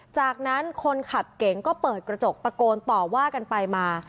จากนั้นคนขับเก๋งก็เปิดกระจกตะโกนต่อว่ากันไปมา